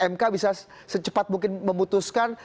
mk bisa secepat mungkin memutuskan